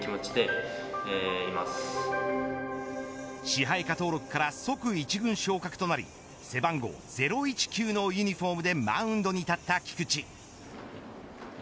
支配下登録から即、１軍昇格となり背番号０１９のユニホームでマウンドに立った菊地。